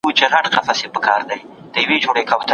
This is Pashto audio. که مشوره ونه سي پرېکړه نیمګړې پاتيږي.